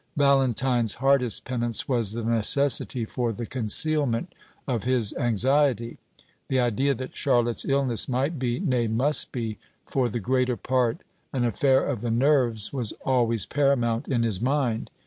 Valentine's hardest penance was the necessity for the concealment of his anxiety. The idea that Charlotte's illness might be nay, must be for the greater part an affair of the nerves was always paramount in his mind.